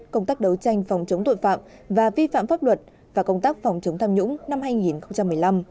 công tác đấu tranh phòng chống tội phạm và vi phạm pháp luật và công tác phòng chống tham nhũng năm hai nghìn một mươi năm